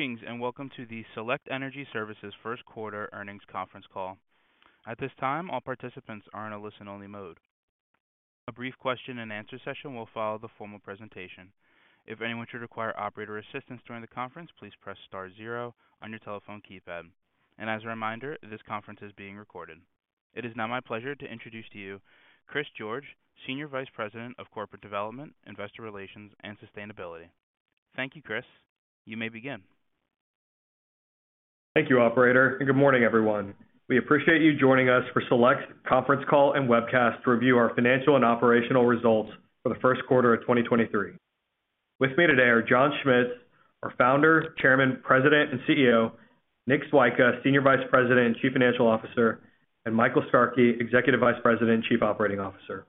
Greetings, welcome to the Select Energy Services first quarter earnings conference call. At this time, all participants are in a listen-only mode. A brief question-and-answer session will follow the formal presentation. If anyone should require operator assistance during the conference, please press star zero on your telephone keypad. As a reminder, this conference is being recorded. It is now my pleasure to introduce to you Chris George, Senior Vice President of Corporate Development, Investor Relations, and Sustainability. Thank you, Chris. You may begin. Thank you operator, and good morning, everyone. We appreciate you joining us for Select conference call and webcast to review our financial and operational results for the first quarter of 2023. With me today are John Schmitz, our Founder, Chairman, President, and CEO, Nick Swyka, Senior Vice President and Chief Financial Officer, and Michael Skarke, Executive Vice President and Chief Operating Officer.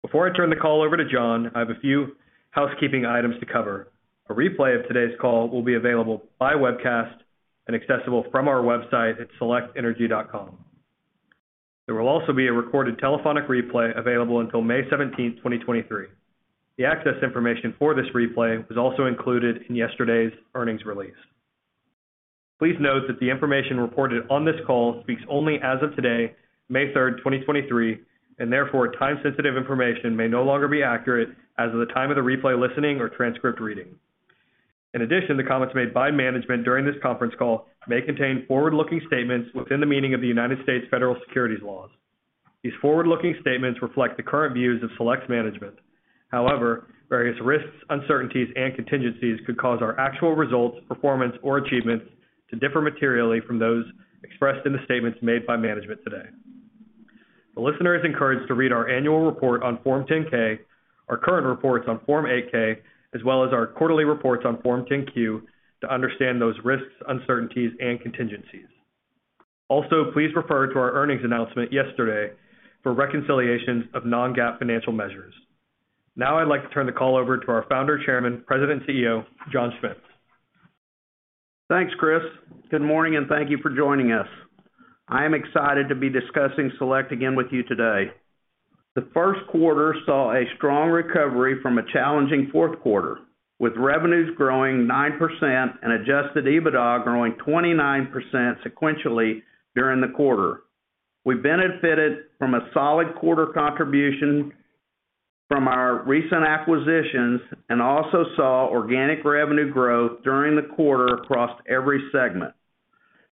Before I turn the call over to John, I have a few housekeeping items to cover. A replay of today's call will be available by webcast and accessible from our website at selectenergy.com. There will also be a recorded telephonic replay available until May 17, 2023. The access information for this replay is also included in yesterday's earnings release. Please note that the information reported on this call speaks only as of today, May third, 2023, and therefore, time-sensitive information may no longer be accurate as of the time of the replay listening or transcript reading. In addition, the comments made by management during this conference call may contain forward-looking statements within the meaning of the United States federal securities laws. These forward-looking statements reflect the current views of Select's management. However, various risks, uncertainties, and contingencies could cause our actual results, performance, or achievements to differ materially from those expressed in the statements made by management today. The listener is encouraged to read our annual report on Form 10-K, our current reports on Form 8-K, as well as our quarterly reports on Form 10-Q to understand those risks, uncertainties, and contingencies. Also, please refer to our earnings announcement yesterday for reconciliations of non-GAAP financial measures. Now I'd like to turn the call over to our Founder, Chairman, President, and CEO, John Schmitz. Thanks, Chris. Good morning, and thank you for joining us. I am excited to be discussing Select again with you today. The first quarter saw a strong recovery from a challenging fourth quarter, with revenues growing 9% and Adjusted EBITDA growing 29% sequentially during the quarter. We benefited from a solid quarter contribution from our recent acquisitions and also saw organic revenue growth during the quarter across every segment.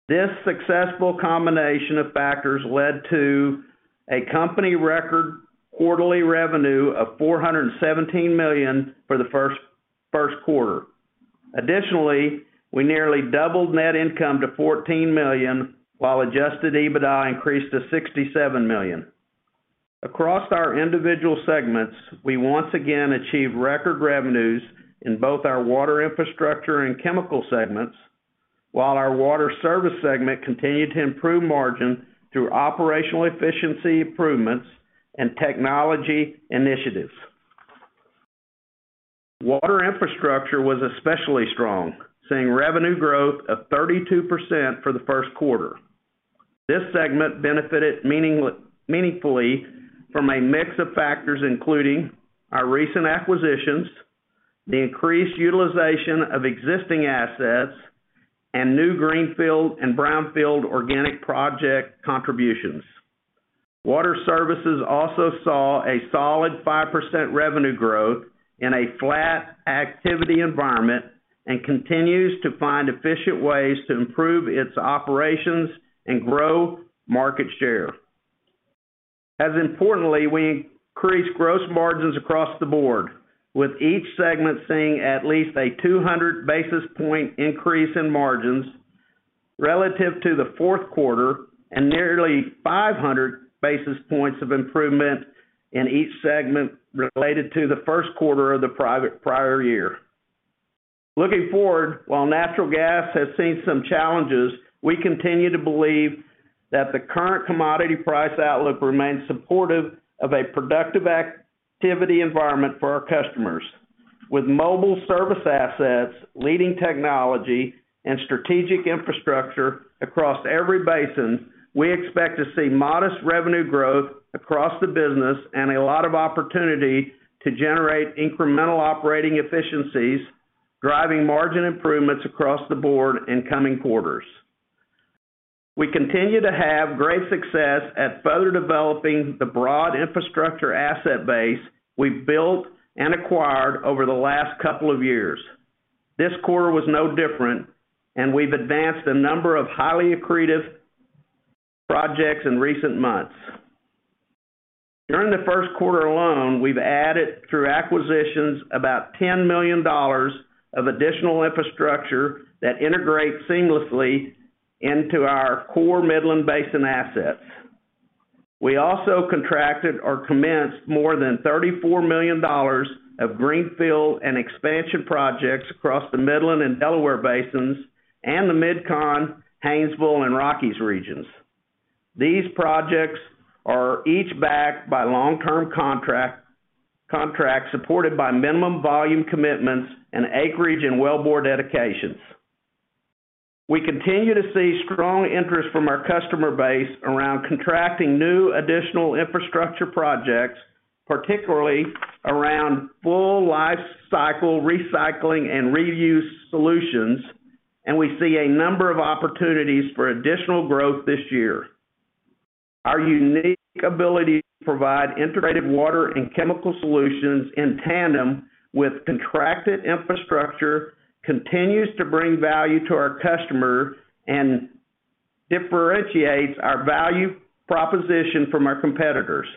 This successful combination of factors led to a company record quarterly revenue of $417 million for the first quarter. Additionally, we nearly doubled net income to $14 million, while Adjusted EBITDA increased to $67 million. Across our individual segments, we once again achieved record revenues in both our water infrastructure and chemical segments, while our water service segment continued to improve margin through operational efficiency improvements and technology initiatives. Water infrastructure was especially strong, seeing revenue growth of 32% for the first quarter. This segment benefited meaningfully from a mix of factors, including our recent acquisitions, the increased utilization of existing assets, and new greenfield and brownfield organic project contributions. Water services also saw a solid 5% revenue growth in a flat activity environment and continues to find efficient ways to improve its operations and grow market share. As importantly, we increased gross margins across the board, with each segment seeing at least a 200 basis point increase in margins relative to the fourth quarter and nearly 500 basis points of improvement in each segment related to the first quarter of the prior year. Looking forward, while natural gas has seen some challenges, we continue to believe that the current commodity price outlook remains supportive of a productive activity environment for our customers. With mobile service assets, leading technology, and strategic infrastructure across every basin, we expect to see modest revenue growth across the business and a lot of opportunity to generate incremental operating efficiencies, driving margin improvements across the board in coming quarters. We continue to have great success at further developing the broad infrastructure asset base we've built and acquired over the last couple of years. This quarter was no different, and we've advanced a number of highly accretive projects in recent months. During the first quarter alone, we've added through acquisitions about $10 million of additional infrastructure that integrates seamlessly into our core Midland Basin assets. We also contracted or commenced more than $34 million of greenfield and expansion projects across the Midland and Delaware basins and the MidCon, Haynesville, and Rockies regions. These projects are each backed by long-term contracts supported by minimum volume commitments and acreage and wellbore dedications. We continue to see strong interest from our customer base around contracting new additional infrastructure projects, particularly around full lifecycle recycling and reuse solutions. We see a number of opportunities for additional growth this year. Our unique ability to provide integrated water and chemical solutions in tandem with contracted infrastructure continues to bring value to our customer and differentiates our value proposition from our competitors.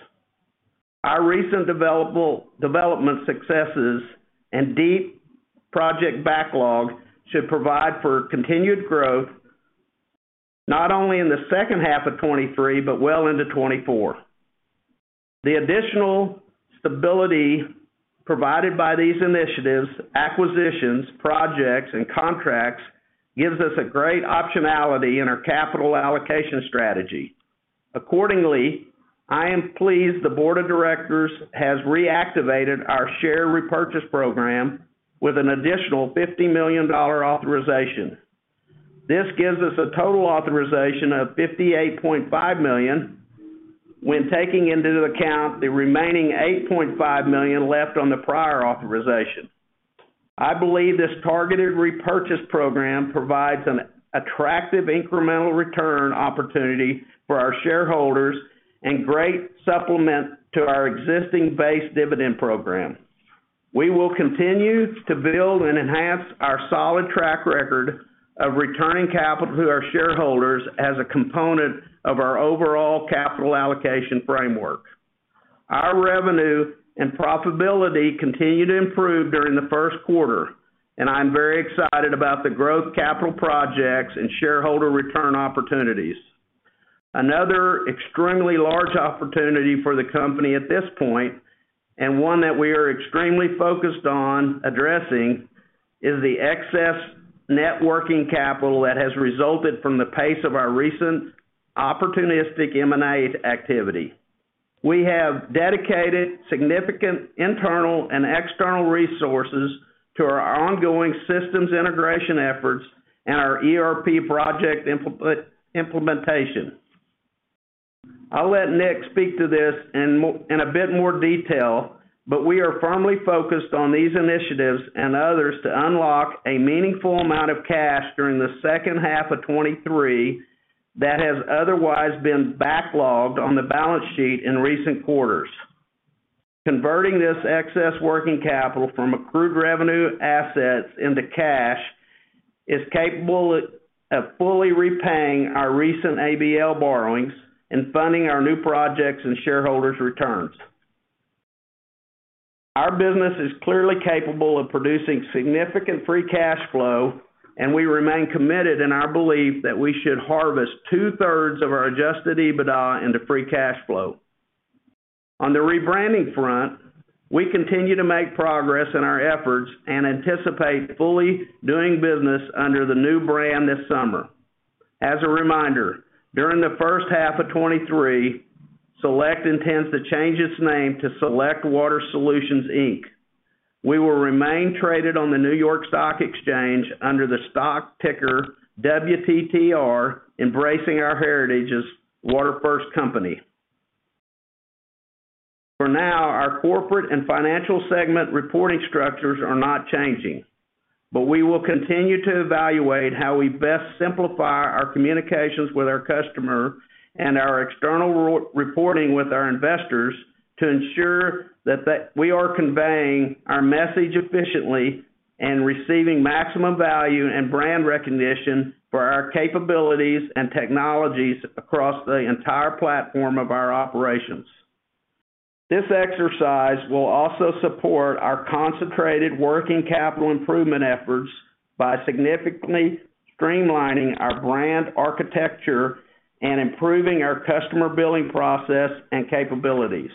Our recent development successes and deep project backlog should provide for continued growth not only in the second half of 2023, but well into 2024. The additional stability provided by these initiatives, acquisitions, projects, and contracts gives us a great optionality in our capital allocation strategy. Accordingly, I am pleased the board of directors has reactivated our share repurchase program with an additional $50 million authorization. This gives us a total authorization of $58.5 million when taking into account the remaining $8.5 million left on the prior authorization. I believe this targeted repurchase program provides an attractive incremental return opportunity for our shareholders and great supplement to our existing base dividend program. We will continue to build and enhance our solid track record of returning capital to our shareholders as a component of our overall capital allocation framework. Our revenue and profitability continued to improve during the first quarter, and I'm very excited about the growth capital projects and shareholder return opportunities. Another extremely large opportunity for the company at this point, and one that we are extremely focused on addressing, is the excess net working capital that has resulted from the pace of our recent opportunistic M&A activity. We have dedicated significant internal and external resources to our ongoing systems integration efforts and our ERP project implementation. I'll let Nick speak to this in a bit more detail, but we are firmly focused on these initiatives and others to unlock a meaningful amount of cash during the second half of 23 that has otherwise been backlogged on the balance sheet in recent quarters. Converting this excess working capital from accrued revenue assets into cash is capable of fully repaying our recent ABL borrowings and funding our new projects and shareholders returns. Our business is clearly capable of producing significant free cash flow, and we remain committed in our belief that we should harvest two-thirds of our Adjusted EBITDA into free cash flow. On the rebranding front, we continue to make progress in our efforts and anticipate fully doing business under the new brand this summer. As a reminder, during the first half of 2023, Select intends to change its name to Select Water Solutions, Inc.. We will remain traded on the New York Stock Exchange under the stock ticker WPTR, embracing our heritage as Water First Company. For now, our corporate and financial segment reporting structures are not changing, but we will continue to evaluate how we best simplify our communications with our customer and our external re-reporting with our investors to ensure that we are conveying our message efficiently and receiving maximum value and brand recognition for our capabilities and technologies across the entire platform of our operations. This exercise will also support our concentrated working capital improvement efforts by significantly streamlining our brand architecture and improving our customer billing process and capabilities.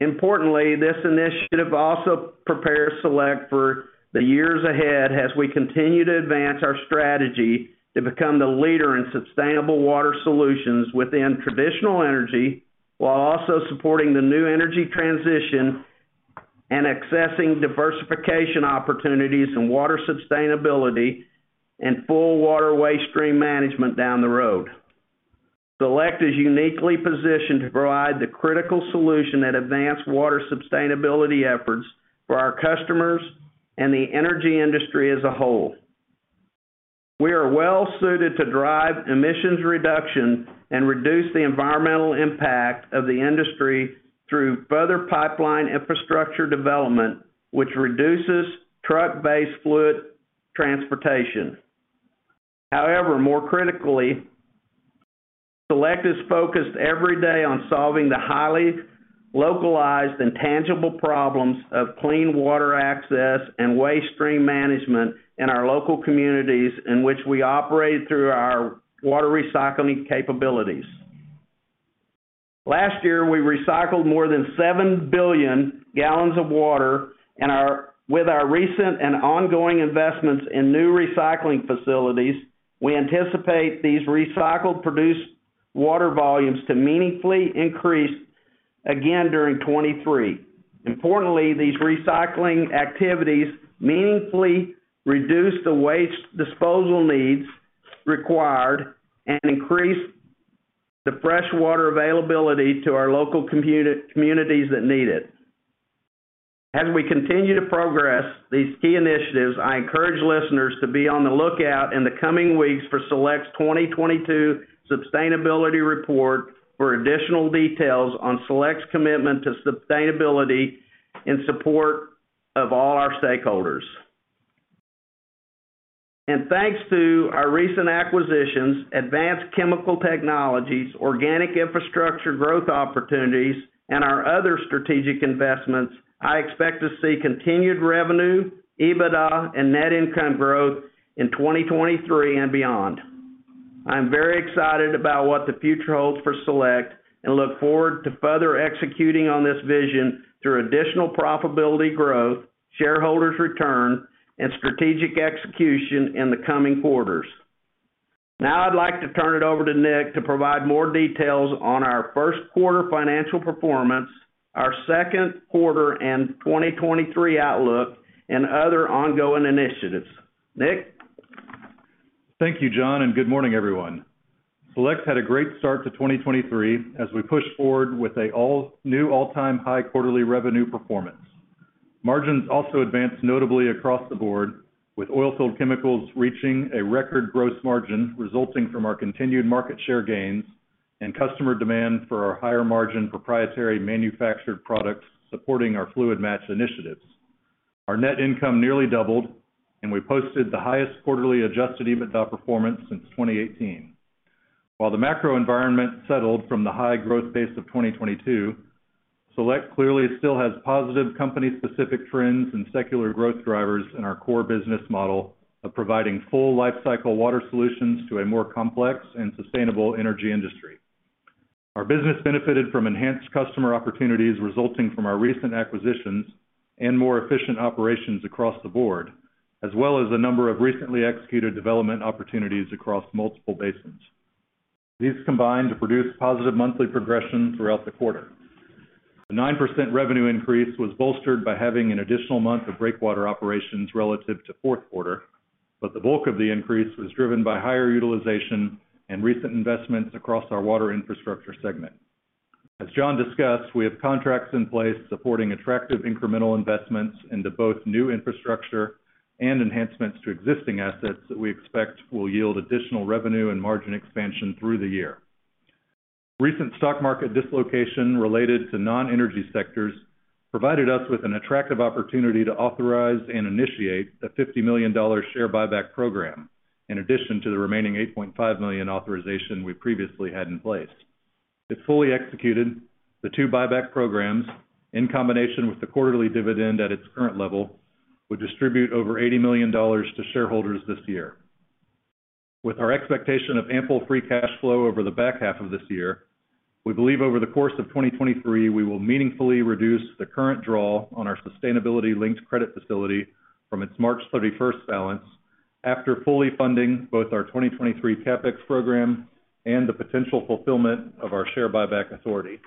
Importantly, this initiative also prepares Select for the years ahead as we continue to advance our strategy to become the leader in sustainable water solutions within traditional energy, while also supporting the new energy transition and accessing diversification opportunities in water sustainability and full water waste stream management down the road. Select is uniquely positioned to provide the critical solution that advanced water sustainability efforts for our customers and the energy industry as a whole. We are well suited to drive emissions reduction and reduce the environmental impact of the industry through further pipeline infrastructure development, which reduces truck-based fluid transportation. More critically, Select is focused every day on solving the highly localized and tangible problems of clean water access and waste stream management in our local communities in which we operate through our water recycling capabilities. Last year, we recycled more than 7 billion gallons of water with our recent and ongoing investments in new recycling facilities, we anticipate these recycled produced water volumes to meaningfully increase again during 2023. Importantly, these recycling activities meaningfully reduce the waste disposal needs required and increase the fresh water availability to our local communities that need it. As we continue to progress these key initiatives, I encourage listeners to be on the lookout in the coming weeks for Select's 2022 sustainability report for additional details on Select's commitment to sustainability in support of all our stakeholders. Thanks to our recent acquisitions, advanced chemical technologies, organic infrastructure growth opportunities, and our other strategic investments, I expect to see continued revenue, EBITDA, and net income growth in 2023 and beyond. I'm very excited about what the future holds for Select and look forward to further executing on this vision through additional profitability growth, shareholders return, and strategic execution in the coming quarters. Now I'd like to turn it over to Nick to provide more details on our first quarter financial performance, our second quarter and 2023 outlook, and other ongoing initiatives. Nick? Thank you, John, and good morning, everyone. Select had a great start to 2023 as we push forward with a all-new all-time high quarterly revenue performance. Margins also advanced notably across the board, with oil field chemicals reaching a record gross margin resulting from our continued market share gains and customer demand for our higher-margin proprietary manufactured products supporting our FluidMatch initiatives. Our net income nearly doubled, and we posted the highest quarterly Adjusted EBITDA performance since 2018. While the macro environment settled from the high-growth pace of 2022, Select clearly still has positive company-specific trends and secular growth drivers in our core business model of providing full life cycle water solutions to a more complex and sustainable energy industry. Our business benefited from enhanced customer opportunities resulting from our recent acquisitions and more efficient operations across the board, as well as a number of recently executed development opportunities across multiple basins. These combined to produce positive monthly progression throughout the quarter. The 9% revenue increase was bolstered by having an additional month of Breakwater operations relative to fourth quarter, but the bulk of the increase was driven by higher utilization and recent investments across our water infrastructure segment. As John discussed, we have contracts in place supporting attractive incremental investments into both new infrastructure and enhancements to existing assets that we expect will yield additional revenue and margin expansion through the year. Recent stock market dislocation related to non-energy sectors provided us with an attractive opportunity to authorize and initiate a $50 million share buyback program, in addition to the remaining $8.5 million authorization we previously had in place. If fully executed, the two buyback programs, in combination with the quarterly dividend at its current level, would distribute over $80 million to shareholders this year. With our expectation of ample free cash flow over the back half of this year, we believe over the course of 2023, we will meaningfully reduce the current draw on our sustainability-linked credit facility from its March 31st balance after fully funding both our 2023 CapEx program and the potential fulfillment of our share buyback authority.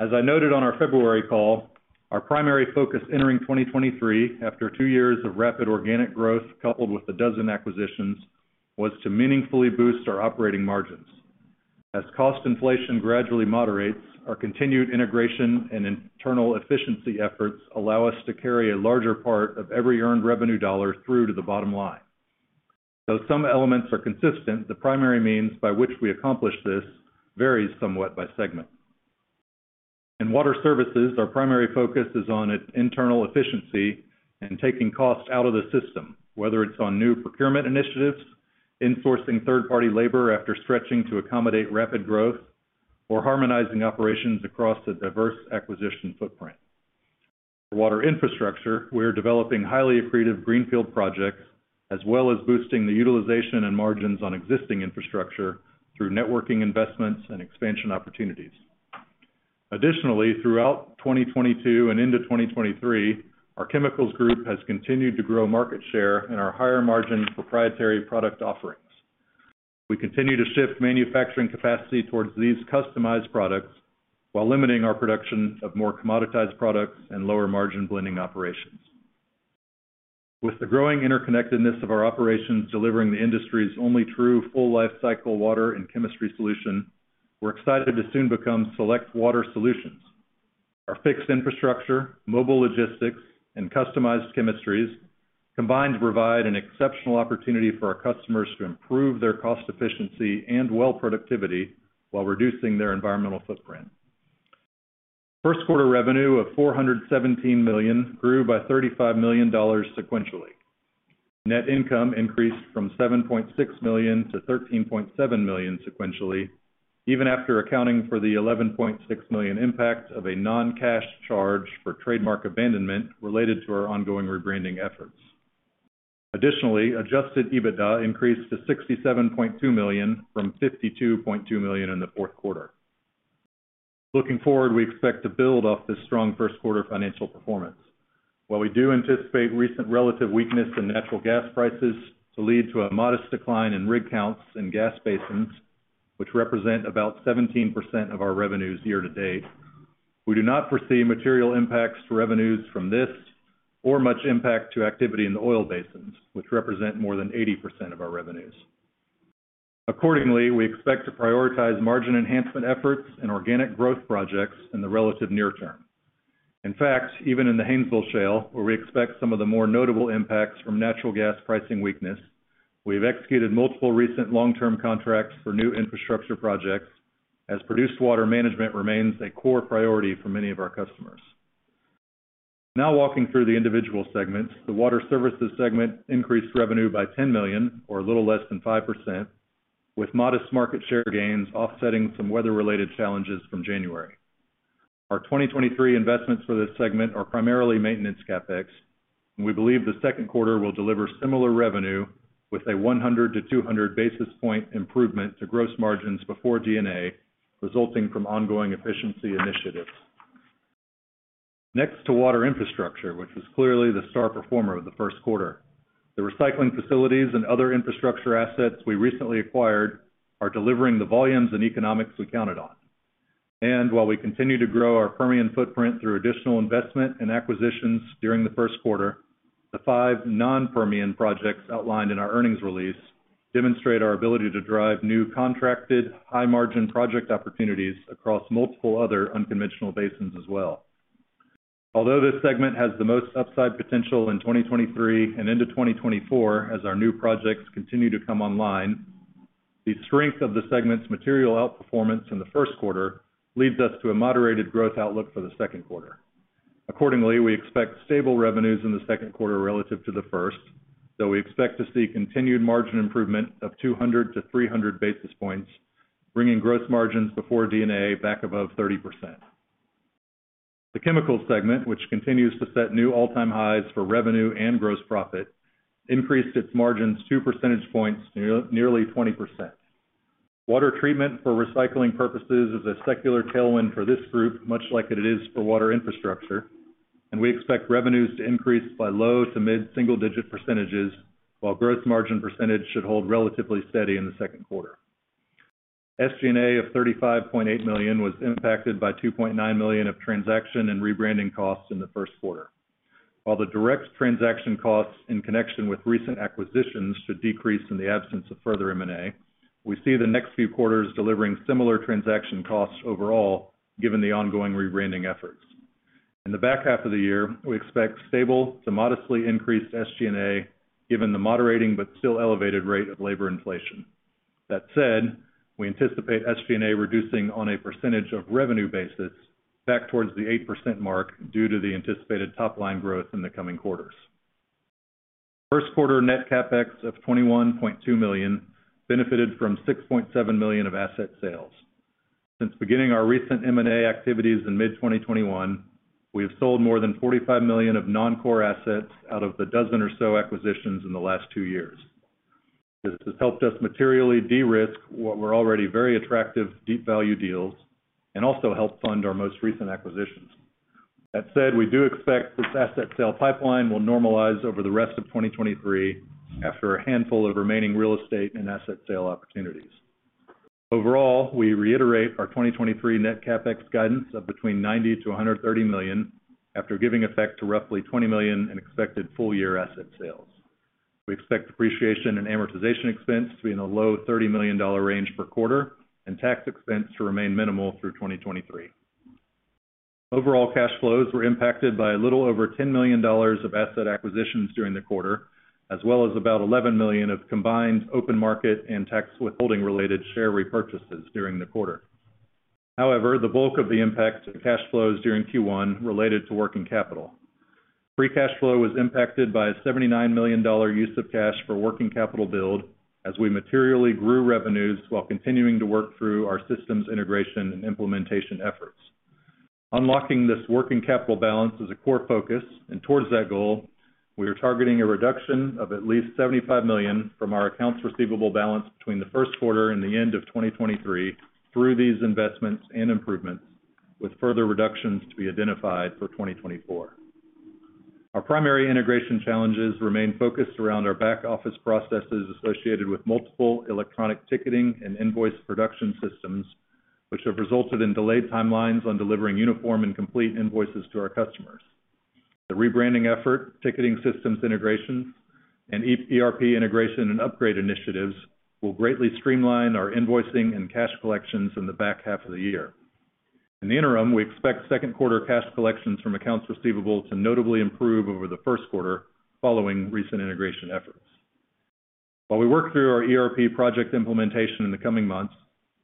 As I noted on our February call, our primary focus entering 2023 after two years of rapid organic growth, coupled with 12 acquisitions, was to meaningfully boost our operating margins. As cost inflation gradually moderates, our continued integration and internal efficiency efforts allow us to carry a larger part of every earned revenue dollar through to the bottom line. Though some elements are consistent, the primary means by which we accomplish this varies somewhat by segment. In water services, our primary focus is on its internal efficiency and taking costs out of the system, whether it's on new procurement initiatives, enforcing third-party labor after stretching to accommodate rapid growth, or harmonizing operations across a diverse acquisition footprint. For water infrastructure, we are developing highly accretive greenfield projects, as well as boosting the utilization and margins on existing infrastructure through networking investments and expansion opportunities. Throughout 2022 and into 2023, our chemicals group has continued to grow market share in our higher-margin proprietary product offerings. We continue to shift manufacturing capacity towards these customized products while limiting our production of more commoditized products and lower-margin blending operations. With the growing interconnectedness of our operations delivering the industry's only true full life cycle water and chemistry solution, we're excited to soon become Select Water Solutions. Our fixed infrastructure, mobile logistics, and customized chemistries combine to provide an exceptional opportunity for our customers to improve their cost efficiency and well productivity while reducing their environmental footprint. First quarter revenue of $417 million grew by $35 million sequentially. Net income increased from $7.6 million to $13.7 million sequentially, even after accounting for the $11.6 million impact of a non-cash charge for trademark abandonment related to our ongoing rebranding efforts. Additionally, Adjusted EBITDA increased to $67.2 million from $52.2 million in the fourth quarter. Looking forward, we expect to build off this strong first quarter financial performance. While we do anticipate recent relative weakness in natural gas prices to lead to a modest decline in rig counts in gas basins, which represent about 17% of our revenues year to date, we do not foresee material impacts to revenues from this or much impact to activity in the oil basins, which represent more than 80% of our revenues. Accordingly, we expect to prioritize margin enhancement efforts and organic growth projects in the relative near term. In fact, even in the Haynesville Shale, where we expect some of the more notable impacts from natural gas pricing weakness, we have executed multiple recent long-term contracts for new infrastructure projects as produced water management remains a core priority for many of our customers. Now walking through the individual segments. The water services segment increased revenue by $10 million or a little less than 5%, with modest market share gains offsetting some weather-related challenges from January. Our 2023 investments for this segment are primarily maintenance CapEx, and we believe the second quarter will deliver similar revenue with a 100 basis point-200 basis point improvement to gross margins before D&A resulting from ongoing efficiency initiatives. Next to water infrastructure, which was clearly the star performer of the first quarter. The recycling facilities and other infrastructure assets we recently acquired are delivering the volumes and economics we counted on. While we continue to grow our Permian footprint through additional investment and acquisitions during the first quarter, the five non-Permian projects outlined in our earnings release demonstrate our ability to drive new contracted high margin project opportunities across multiple other unconventional basins as well. This segment has the most upside potential in 2023 and into 2024 as our new projects continue to come online, the strength of the segment's material outperformance in the first quarter leads us to a moderated growth outlook for the second quarter. We expect stable revenues in the second quarter relative to the first, though we expect to see continued margin improvement of 200-300 basis points, bringing gross margins before D&A back above 30%. The chemical segment, which continues to set new all-time highs for revenue and gross profit, increased its margins 2 percentage points, nearly 20%. Water treatment for recycling purposes is a secular tailwind for this group, much like it is for water infrastructure, and we expect revenues to increase by low to mid single-digit %, while gross margin percentage should hold relatively steady in the second quarter. SG&A of $35.8 million was impacted by $2.9 million of transaction and rebranding costs in the first quarter. While the direct transaction costs in connection with recent acquisitions should decrease in the absence of further M&A, we see the next few quarters delivering similar transaction costs overall given the ongoing rebranding efforts. In the back half of the year, we expect stable to modestly increased SG&A given the moderating but still elevated rate of labor inflation. That said, we anticipate SG&A reducing on a percentage of revenue basis back towards the 8% mark due to the anticipated top-line growth in the coming quarters. First quarter net CapEx of $21.2 million benefited from $6.7 million of asset sales. Since beginning our recent M&A activities in mid 2021, we have sold more than $45 million of non-core assets out of the 12 or so acquisitions in the last two years. This has helped us materially de-risk what were already very attractive deep value deals and also helped fund our most recent acquisitions. That said, we do expect this asset sale pipeline will normalize over the rest of 2023 after a handful of remaining real estate and asset sale opportunities. Overall, we reiterate our 2023 net CapEx guidance of between $90 million-$130 million after giving effect to roughly $20 million in expected full year asset sales. We expect depreciation and amortization expense to be in a low $30 million range per quarter and tax expense to remain minimal through 2023. Overall cash flows were impacted by a little over $10 million of asset acquisitions during the quarter, as well as about $11 million of combined open market and tax withholding related share repurchases during the quarter. The bulk of the impact to cash flows during Q1 related to working capital. Free cash flow was impacted by a $79 million use of cash for working capital build as we materially grew revenues while continuing to work through our systems integration and implementation efforts. Unlocking this working capital balance is a core focus. Towards that goal, we are targeting a reduction of at least $75 million from our accounts receivable balance between the first quarter and the end of 2023 through these investments and improvements, with further reductions to be identified for 2024. Our primary integration challenges remain focused around our back-office processes associated with multiple electronic ticketing and invoice production systems, which have resulted in delayed timelines on delivering uniform and complete invoices to our customers. The rebranding effort, ticketing systems integrations, and ERP integration and upgrade initiatives will greatly streamline our invoicing and cash collections in the back half of the year. In the interim, we expect second quarter cash collections from accounts receivable to notably improve over the first quarter following recent integration efforts. While we work through our ERP project implementation in the coming months,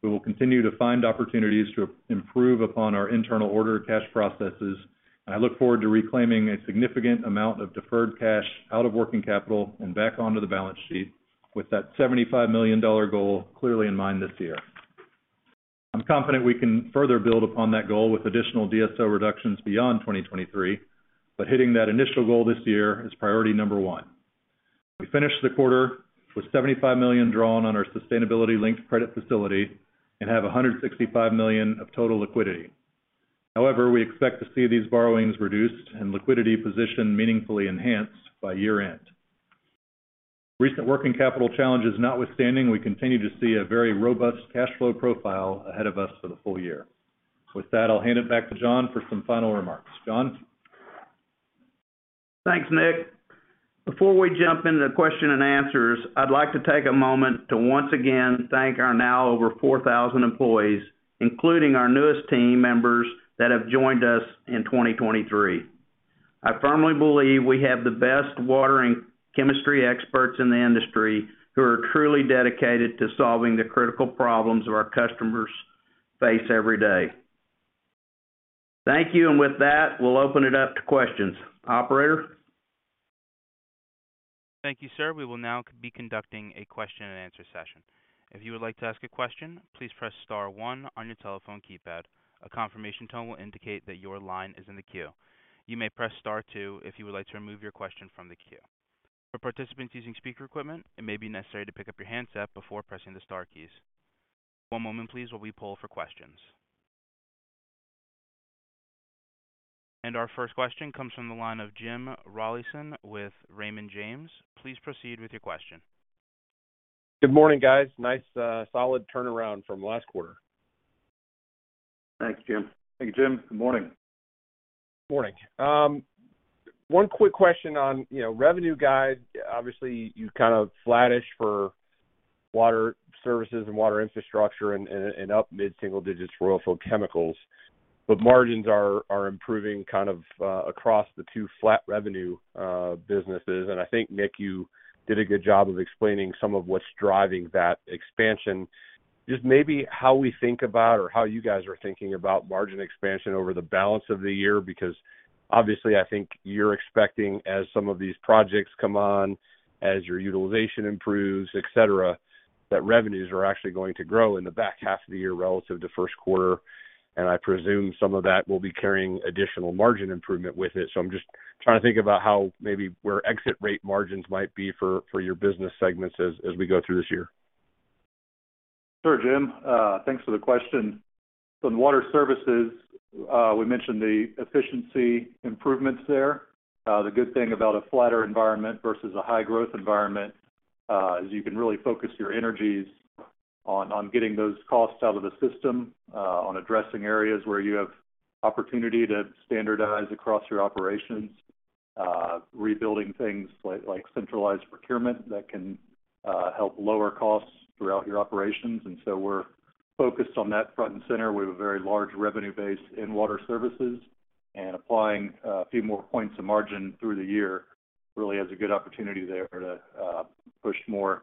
we will continue to find opportunities to improve upon our internal order to cash processes, and I look forward to reclaiming a significant amount of deferred cash out of working capital and back onto the balance sheet with that $75 million goal clearly in mind this year. I'm confident we can further build upon that goal with additional DSO reductions beyond 2023, but hitting that initial goal this year is priority number one. We finished the quarter with $75 million drawn on our sustainability-linked credit facility and have $165 million of total liquidity. We expect to see these borrowings reduced and liquidity position meaningfully enhanced by year-end. Recent working capital challenges notwithstanding, we continue to see a very robust cash flow profile ahead of us for the full year. With that, I'll hand it back to John for some final remarks. John? Thanks, Nick. Before we jump into the question and answers, I'd like to take a moment to once again thank our now over 4,000 employees, including our newest team members that have joined us in 2023. I firmly believe we have the best water and chemistry experts in the industry who are truly dedicated to solving the critical problems our customers face every day. Thank you. With that, we'll open it up to questions. Operator? Thank you, sir. We will now be conducting a question and answer session. If you would like to ask a question, please press star one on your telephone keypad. A confirmation tone will indicate that your line is in the queue. You may press star two if you would like to remove your question from the queue. For participants using speaker equipment, it may be necessary to pick up your handset before pressing the star keys. One moment please, while we poll for questions. Our first question comes from the line of Jim Rollyson with Raymond James. Please proceed with your question. Good morning, guys. Nice, solid turnaround from last quarter. Thanks, Jim. Thank you, Jim. Good morning. Morning. one quick question on, you know, revenue guide. Obviously, you're kind of flattish for water services and water infrastructure and up mid-single digits for oilfield chemicals. Margins are improving kind of across the two flat revenue businesses. I think, Nick, you did a good job of explaining some of what's driving that expansion. Just maybe how we think about or how you guys are thinking about margin expansion over the balance of the year, because obviously I think you're expecting as some of these projects come on, as your utilization improves, et cetera, that revenues are actually going to grow in the back half of the year relative to first quarter. I presume some of that will be carrying additional margin improvement with it. I'm just trying to think about how maybe where exit rate margins might be for your business segments as we go through this year. Sure, Jim Rollyson, thanks for the question. On water services, we mentioned the efficiency improvements there. The good thing about a flatter environment versus a high-growth environment is you can really focus your energies on getting those costs out of the system, on addressing areas where you have opportunity to standardize across your operations, rebuilding things like centralized procurement that can help lower costs throughout your operations. We're focused on that front and center. We have a very large revenue base in water services, and applying a few more points of margin through the year really has a good opportunity there to push more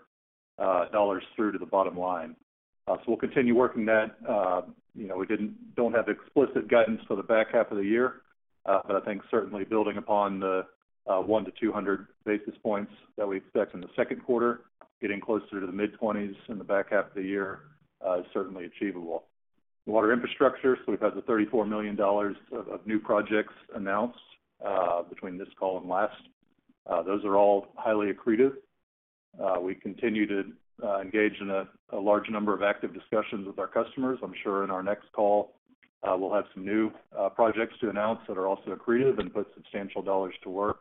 dollars through to the bottom line. We'll continue working that. You know, we don't have explicit guidance for the back half of the year. I think certainly building upon the 100 basis points-200 basis points that we expect in the second quarter, getting closer to the mid-20s in the back half of the year, is certainly achievable. Water infrastructure. We've had the $34 million of new projects announced between this call and last. Those are all highly accretive. We continue to engage in a large number of active discussions with our customers. I'm sure in our next call, we'll have some new projects to announce that are also accretive and put substantial dollars to work.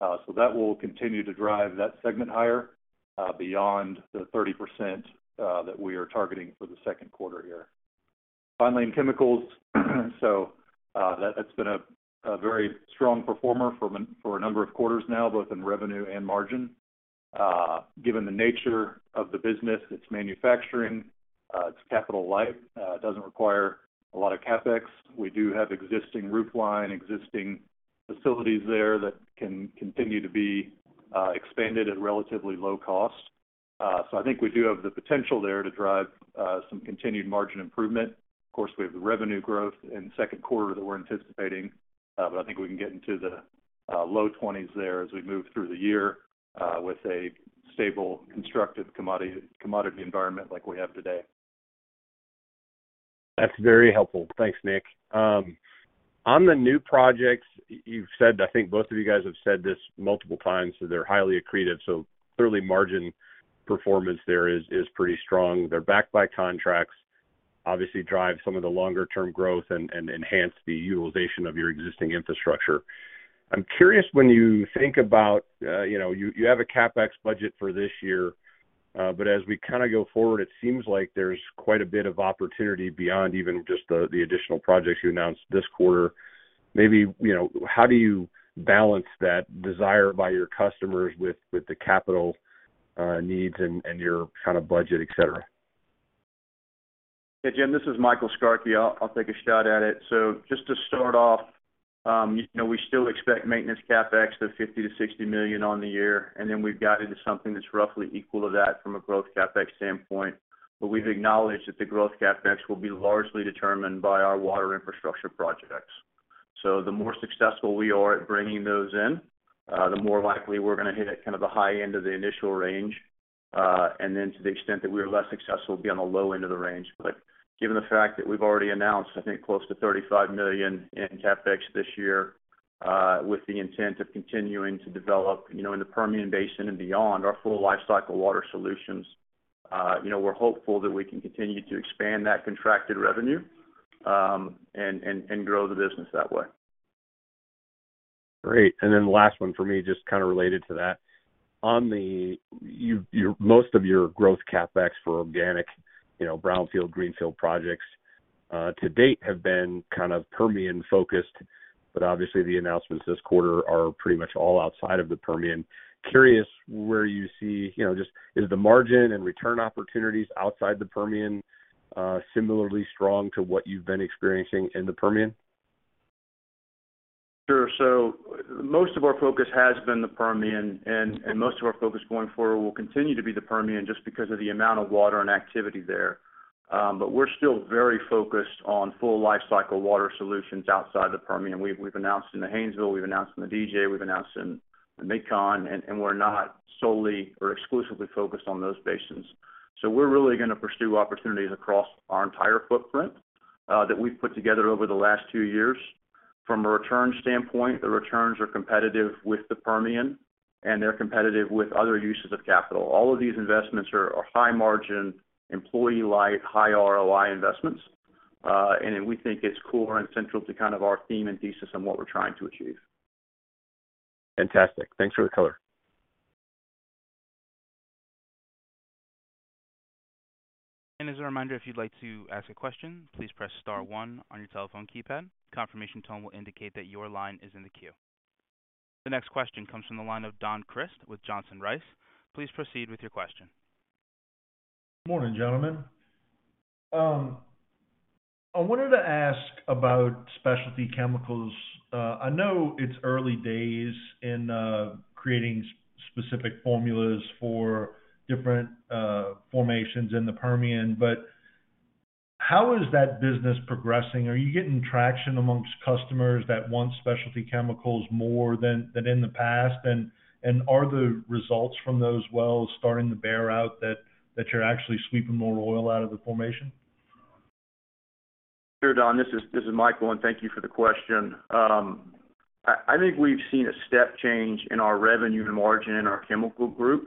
That will continue to drive that segment higher beyond the 30% that we are targeting for the second quarter here. Finally, in chemicals. That's been a very strong performer for a number of quarters now, both in revenue and margin. Given the nature of the business, it's manufacturing, it's capital light, it doesn't require a lot of CapEx. We do have existing roof line, existing facilities there that can continue to be expanded at relatively low cost. I think we do have the potential there to drive some continued margin improvement. Of course, we have the revenue growth in the second quarter that we're anticipating. I think we can get into the low 20s there as we move through the year with a stable, constructive commodity environment like we have today. That's very helpful. Thanks, Nick. On the new projects, I think both of you guys have said this multiple times, they're highly accretive. Clearly margin performance there is pretty strong. They're backed by contracts, obviously drive some of the longer-term growth and enhance the utilization of your existing infrastructure. I'm curious when you think about, you know, you have a CapEx budget for this year, but as we kinda go forward, it seems like there's quite a bit of opportunity beyond even just the additional projects you announced this quarter. Maybe, you know, how do you balance that desire by your customers with the capital needs and your kind of budget, et cetera? Yeah, Jim, this is Michael Skarke. I'll take a shot at it. Just to start off, you know, we still expect maintenance CapEx of $50 million-$60 million on the year, and we've guided to something that's roughly equal to that from a growth CapEx standpoint. We've acknowledged that the growth CapEx will be largely determined by our water infrastructure projects. The more successful we are at bringing those in, the more likely we're gonna hit at kind of the high end of the initial range. To the extent that we are less successful, be on the low end of the range. Given the fact that we've already announced, I think close to $35 million in CapEx this year, with the intent of continuing to develop, you know, in the Permian Basin and beyond our full life cycle water solutions, you know, we're hopeful that we can continue to expand that contracted revenue, and grow the business that way. Great. The last one for me, just kind of related to that. Most of your growth CapEx for organic, you know, brownfield, greenfield projects, to date have been kind of Permian-focused, but obviously the announcements this quarter are pretty much all outside of the Permian. Curious where you see, you know, just is the margin and return opportunities outside the Permian, similarly strong to what you've been experiencing in the Permian? Sure. Most of our focus has been the Permian, and most of our focus going forward will continue to be the Permian just because of the amount of water and activity there. We're still very focused on full life cycle water solutions outside the Permian. We've announced in the Haynesville, we've announced in the DJ, we've announced in the MidCon, and we're not solely or exclusively focused on those basins. We're really gonna pursue opportunities across our entire footprint that we've put together over the last two years. From a return standpoint, the returns are competitive with the Permian, and they're competitive with other uses of capital. All of these investments are high margin, employee-light, high ROI investments, and we think it's core and central to kind of our theme and thesis on what we're trying to achieve. Fantastic. Thanks for the color. As a reminder, if you'd like to ask a question, please press star one on your telephone keypad. Confirmation tone will indicate that your line is in the queue. The next question comes from the line of Don Crist with Johnson Rice. Please proceed with your question. Morning, gentlemen. I wanted to ask about specialty chemicals. I know it's early days in creating specific formulas for different formations in the Permian, but how is that business progressing? Are you getting traction amongst customers that want specialty chemicals more than in the past? Are the results from those wells starting to bear out that you're actually sweeping more oil out of the formation? Sure, Don, this is Michael, and thank you for the question. I think we've seen a step change in our revenue and margin in our chemical group,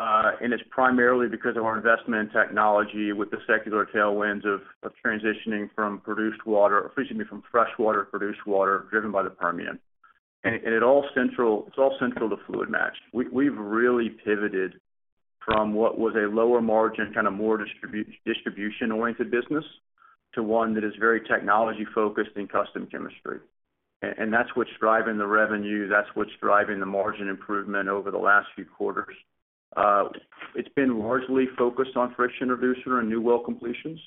and it's primarily because of our investment in technology with the secular tailwinds of transitioning from produced water excuse me, from fresh water produced water driven by the Permian. It's all central to FluidMatch. We've really pivoted from what was a lower margin, kind of more distribution-oriented business to one that is very technology-focused in custom chemistry. That's what's driving the revenue, that's what's driving the margin improvement over the last few quarters. It's been largely focused on friction reducer and new well completions,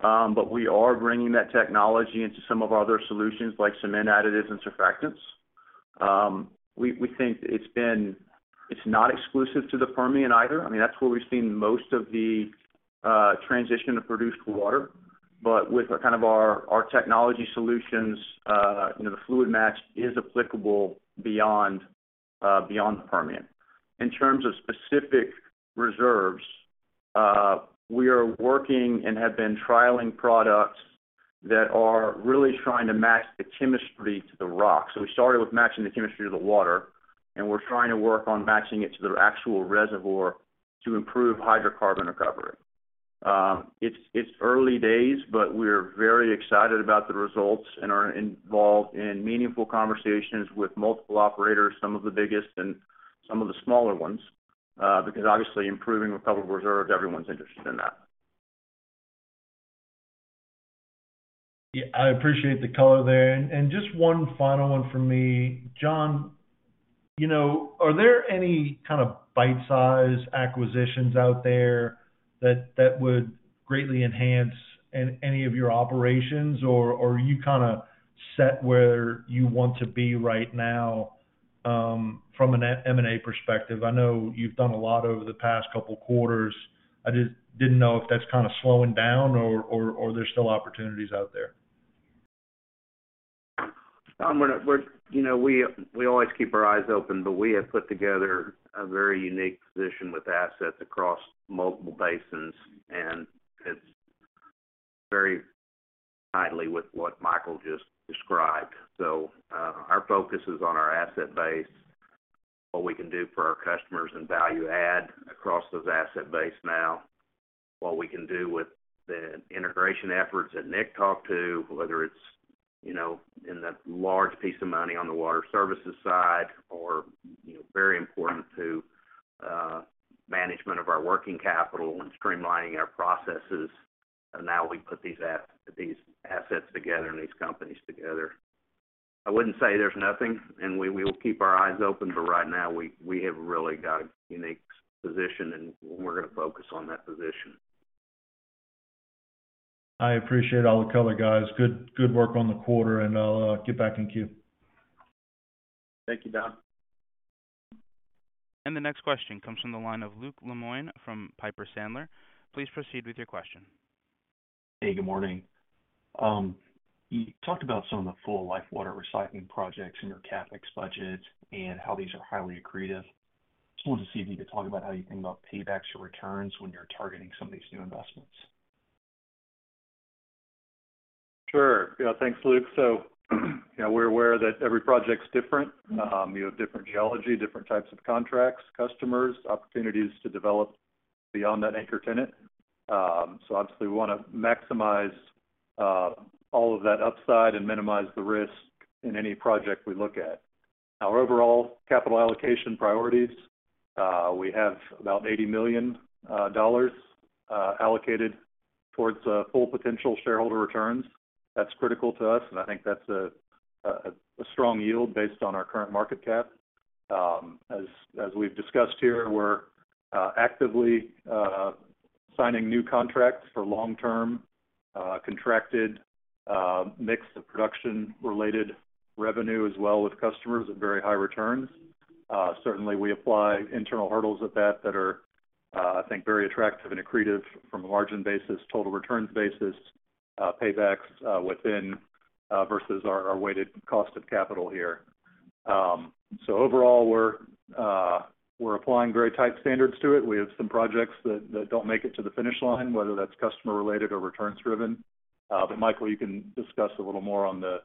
but we are bringing that technology into some of our other solutions like cement additives and surfactants. We think it's been. It's not exclusive to the Permian either. I mean, that's where we've seen most of the transition to produced water. With kind of our technology solutions, you know, the FluidMatch is applicable beyond beyond the Permian. In terms of specific reserves, we are working and have been trialing products that are really trying to match the chemistry to the rock. We started with matching the chemistry to the water, and we're trying to work on matching it to the actual reservoir to improve hydrocarbon recovery. It's early days, but we're very excited about the results and are involved in meaningful conversations with multiple operators, some of the biggest and some of the smaller ones, because obviously improving recovered reserves, everyone's interested in that. Yeah. I appreciate the color there. Just one final one for me. John, you know, are there any kind of bite-size acquisitions out there that would greatly enhance any of your operations, or are you kinda set where you want to be right now from an M&A perspective? I know you've done a lot over the past couple quarters. I just didn't know if that's kinda slowing down or there's still opportunities out there. Don, we're, you know, we always keep our eyes open, but we have put together a very unique position with assets across multiple basins, and it's very tightly with what Michael just described. Our focus is on our asset base, what we can do for our customers and value add across those asset base now, what we can do with the integration efforts that Nick talked to, whether it's, you know, in the large piece of money on the water services side or, you know, very important to management of our working capital and streamlining our processes. Now we put these assets together and these companies together. I wouldn't say there's nothing, and we will keep our eyes open, but right now we have really got a unique position and we're gonna focus on that position. I appreciate all the color, guys. Good work on the quarter. I'll get back in queue. Thank you, Don. The next question comes from the line of Luke Lemoine from Piper Sandler. Please proceed with your question. Hey, good morning. You talked about some of the full life water recycling projects in your CapEx budget and how these are highly accretive. Just wanted to see if you could talk about how you think about paybacks or returns when you're targeting some of these new investments? Sure. Yeah, thanks, Luke. You know, we're aware that every project's different. You have different geology, different types of contracts, customers, opportunities to develop beyond that anchor tenant. Obviously we wanna maximize all of that upside and minimize the risk in any project we look at. Our overall capital allocation priorities, we have about $80 million allocated towards full potential shareholder returns. That's critical to us, and I think that's a strong yield based on our current market cap. As we've discussed here, we're actively signing new contracts for long-term contracted mix of production-related revenue as well with customers at very high returns. Certainly we apply internal hurdles at that are, I think very attractive and accretive from a margin basis, total returns basis, paybacks, within versus our weighted cost of capital here. Overall, we're applying very tight standards to it. We have some projects that don't make it to the finish line, whether that's customer related or returns driven. Michael, you can discuss a little more on the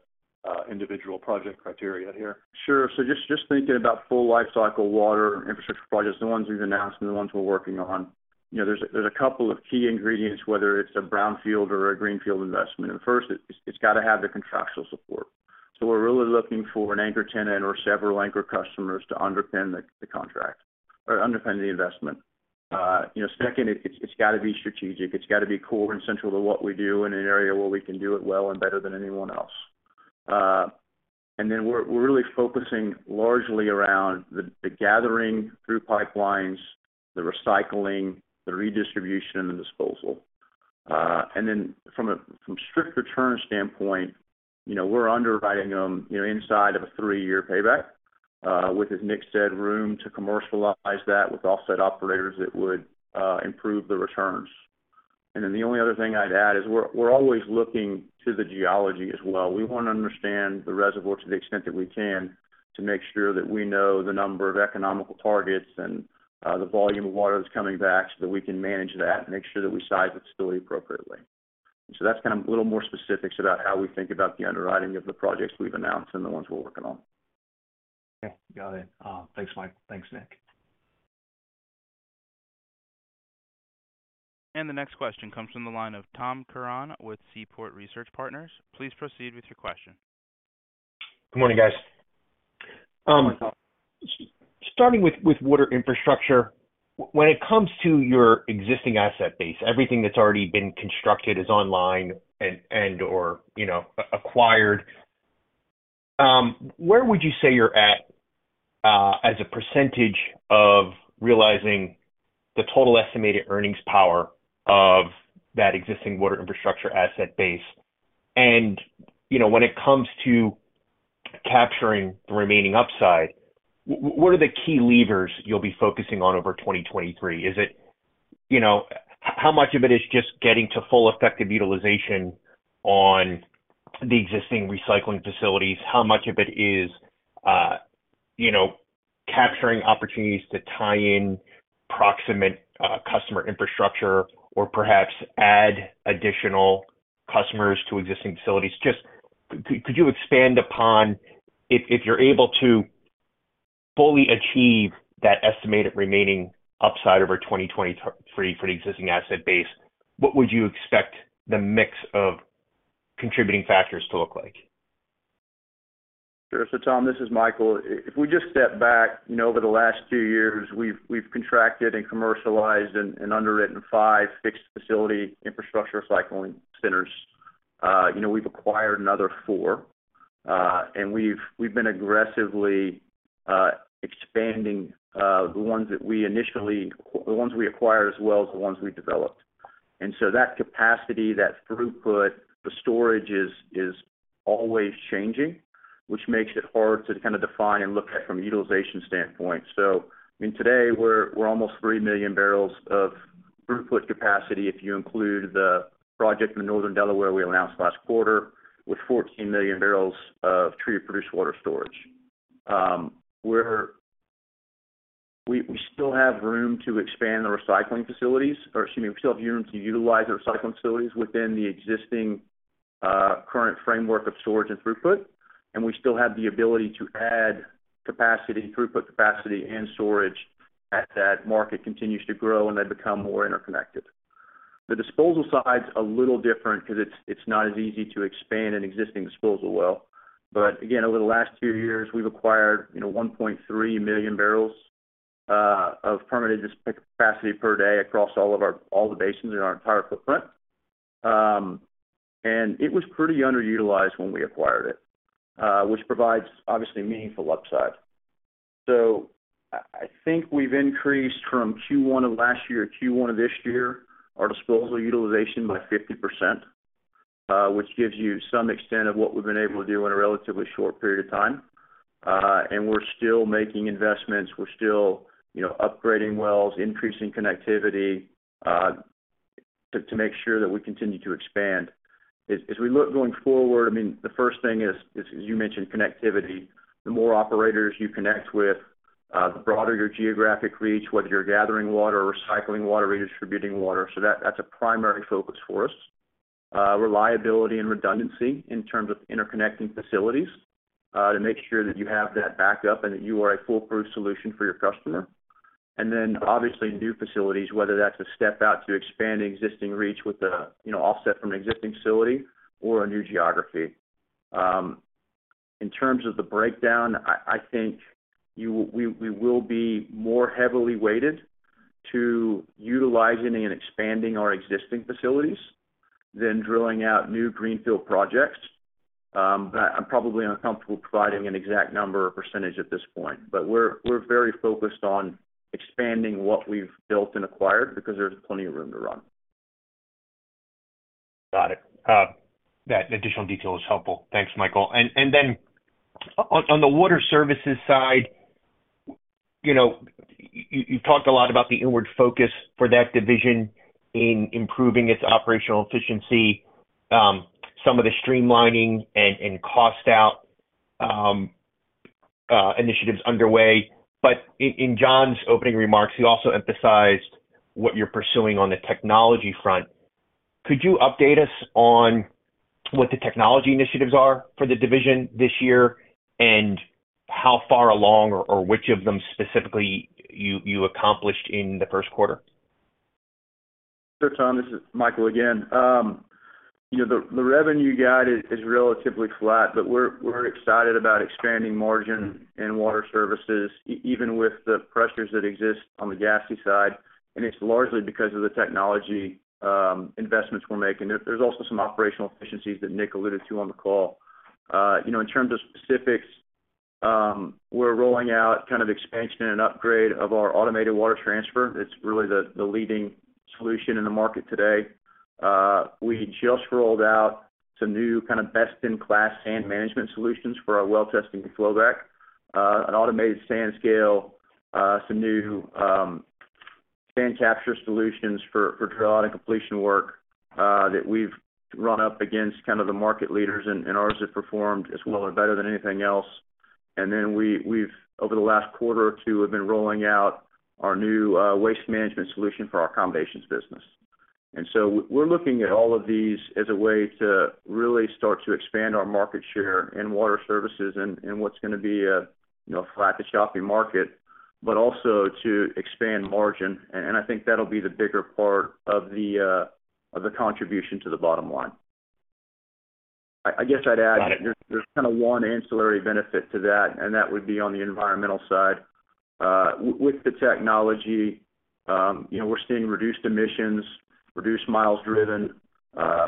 individual project criteria here. Sure. Just thinking about full life cycle water infrastructure projects, the ones we've announced and the ones we're working on, you know, there's a couple of key ingredients, whether it's a brownfield or a greenfield investment. First, it's gotta have the contractual support. We're really looking for an anchor tenant or several anchor customers to underpin the contract or underpin the investment. You know, second, it's gotta be strategic. It's gotta be core and central to what we do in an area where we can do it well and better than anyone else. Then we're really focusing largely around the gathering through pipelines, the recycling, the redistribution, and the disposal. From strict return standpoint, you know, we're underwriting them, you know, inside of a three-year payback, with, as Nick said, room to commercialize that with offset operators that would improve the returns. The only other thing I'd add is we're always looking to the geology as well. We wanna understand the reservoir to the extent that we can to make sure that we know the number of economical targets and the volume of water that's coming back so that we can manage that and make sure that we size the facility appropriately. That's kind of a little more specifics about how we think about the underwriting of the projects we've announced and the ones we're working on. Okay. Got it. Thanks, Mike. Thanks, Nick. The next question comes from the line of Tom Curran with Seaport Research Partners. Please proceed with your question. Good morning, guys. Good morning, Tom. Starting with water infrastructure, when it comes to your existing asset base, everything that's already been constructed is online and/or, you know, acquired, where would you say you're at as a percentage of realizing the total estimated earnings power of that existing water infrastructure asset base? You know, when it comes to capturing the remaining upside, what are the key levers you'll be focusing on over 2023? Is it, you know, how much of it is just getting to full effective utilization on the existing recycling facilities? How much of it is, you know, capturing opportunities to tie in proximate customer infrastructure or perhaps add additional customers to existing facilities? Just could you expand upon if you're able to fully achieve that estimated remaining upside over 2023 for the existing asset base, what would you expect the mix of contributing factors to look like? Sure. Tom, this is Michael. If we just step back, you know, over the last few years, we've contracted and commercialized and underwritten 5 fixed facility infrastructure recycling centers. You know, we've acquired another four, and we've been aggressively expanding the ones we acquired as well as the ones we developed. That capacity, that throughput, the storage is always changing, which makes it hard to kind of define and look at from a utilization standpoint. I mean, today, we're almost 3 million barrels of throughput capacity if you include the project in Northern Delaware we announced last quarter, with 14 million barrels of treated produced water storage. we still have room to expand the recycling facilities, or excuse me, we still have room to utilize the recycling facilities within the existing current framework of storage and throughput, and we still have the ability to add capacity, throughput capacity and storage as that market continues to grow and they become more interconnected. The disposal side's a little different 'cause it's not as easy to expand an existing disposal well, but again, over the last few years, we've acquired, you know, 1.3 million barrels of permitted capacity per day across all the basins in our entire footprint. It was pretty underutilized when we acquired it, which provides obviously meaningful upside. I think we've increased from Q1 of last year to Q1 of this year our disposal utilization by 50%. Which gives you some extent of what we've been able to do in a relatively short period of time. We're still making investments. We're still, you know, upgrading wells, increasing connectivity, to make sure that we continue to expand. As we look going forward, I mean, the first thing is you mentioned connectivity. The more operators you connect with, the broader your geographic reach, whether you're gathering water or recycling water, redistributing water. That's a primary focus for us. Reliability and redundancy in terms of interconnecting facilities, to make sure that you have that backup and that you are a foolproof solution for your customer. Obviously, new facilities, whether that's a step out to expand existing reach with a, you know, offset from an existing facility or a new geography. In terms of the breakdown, I think we will be more heavily weighted to utilizing and expanding our existing facilities than drilling out new greenfield projects. I'm probably uncomfortable providing an exact number or percentage at this point. We're very focused on expanding what we've built and acquired because there's plenty of room to run. Got it. That additional detail is helpful. Thanks, Michael. Then on the water services side, you know, you've talked a lot about the inward focus for that division in improving its operational efficiency, some of the streamlining and cost out initiatives underway. In John's opening remarks, he also emphasized what you're pursuing on the technology front. Could you update us on what the technology initiatives are for the division this year, and how far along or which of them specifically you accomplished in the first quarter? Sure, Tom, this is Michael again. You know, the revenue guide is relatively flat, but we're excited about expanding margin and water services even with the pressures that exist on the gassy side, and it's largely because of the technology investments we're making. There's also some operational efficiencies that Nick alluded to on the call. You know, in terms of specifics, we're rolling out kind of expansion and upgrade of our automated water transfer. It's really the leading solution in the market today. We just rolled out some new kind of best in class sand management solutions for our well testing flowback. An Automated Sand Scale, some new sand capture solutions for drilling and completion work that we've run up against kind of the market leaders and ours have performed as well or better than anything else. We've over the last quarter or two, have been rolling out our new waste management solution for our accommodations business. We're looking at all of these as a way to really start to expand our market share and water services and what's gonna be a, you know, flat to choppy market, but also to expand margin. I think that'll be the bigger part of the contribution to the bottom line. I guess I'd add there's kind of one ancillary benefit to that, and that would be on the environmental side. With the technology, you know, we're seeing reduced emissions, reduced miles driven,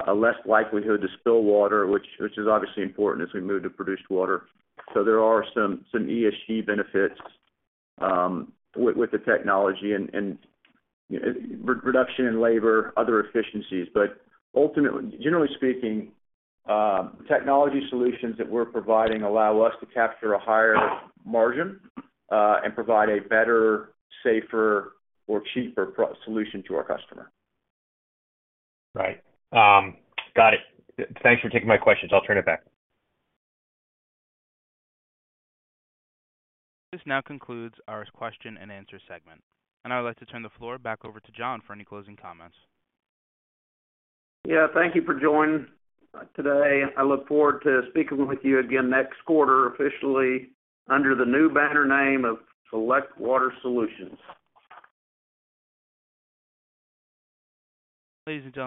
a less likelihood to spill water, which is obviously important as we move to produced water. There are some ESG benefits, with the technology and reduction in labor, other efficiencies. Ultimately, generally speaking, technology solutions that we're providing allow us to capture a higher margin, and provide a better, safer or cheaper solution to our customer. Right. got it. Thanks for taking my questions. I'll turn it back. This now concludes our question-and-answer segment. I'd like to turn the floor back over to John for any closing comments. Thank you for joining today. I look forward to speaking with you again next quarter, officially under the new banner name of Select Water Solutions. Ladies and gentlemen.